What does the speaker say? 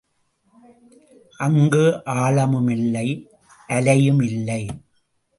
அங்கு ஆழமும் இல்லை அலையும் இல்லை.